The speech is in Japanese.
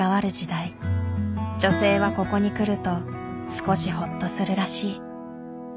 女性はここに来ると少しホッとするらしい。